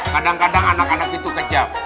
kadang kadang anak anak itu kejam